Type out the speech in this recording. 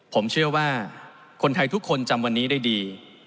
ผมเชื่อว่าคนไทยทุกคนจำวันนี้ได้ดี